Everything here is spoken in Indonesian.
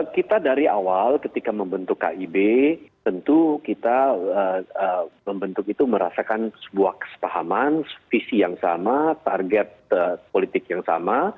kita dari awal ketika membentuk kib tentu kita membentuk itu merasakan sebuah kesepahaman visi yang sama target politik yang sama